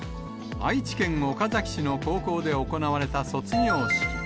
愛知県岡崎市の高校で行われた卒業式。